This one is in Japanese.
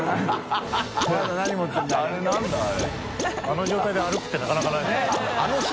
あの状態で歩くってなかなかないですもんね。